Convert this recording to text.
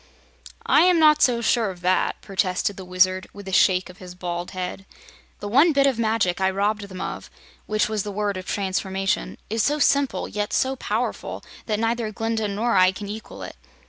"I am not so sure of that," protested the Wizard, with a shake of his bald head. "The one bit of magic I robbed them of which was the Word of Transformation is so simple, yet so powerful, that neither Glinda nor I can equal it.